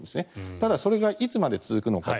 ただ、それがいつまで続くのかと。